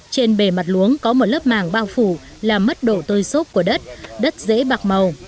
trên bề mặt luống có một lớp màng bao phủ làm mất độ tôi xốp của đất đất dễ bạc màu